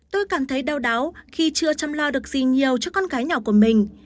tôi cảm thấy đau đáu khi chưa chăm lo được gì nhiều cho con gái nhỏ của mình